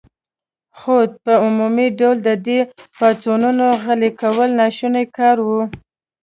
خو په عمومي ډول د دې پاڅونونو غلي کول ناشوني کار و.